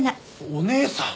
お姉さん？